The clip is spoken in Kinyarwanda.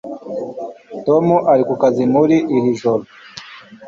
tom ari ku kazi muri iri joro